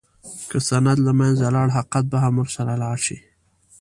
که سند له منځه لاړ، حقیقت به هم ورسره لاړ شي.